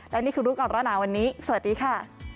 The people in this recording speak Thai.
และนี่คือรูปการณาวันนี้สวัสดีค่ะ